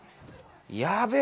やべえ。